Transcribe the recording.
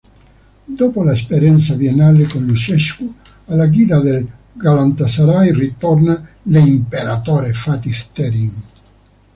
Dopo l'esperienza biennale con Lucescu, alla guida del Galatasaray ritorna l"'Imperatore", Fatih Terim.